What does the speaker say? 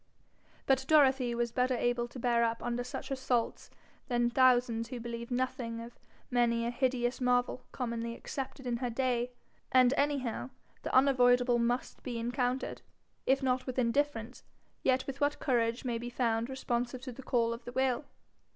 But Dorothy was better able to bear up under such assaults than thousands who believe nothing of many a hideous marvel commonly accepted in her day; and anyhow the unavoidable must be encountered, if not with indifference, yet with what courage may be found responsive to the call of the will.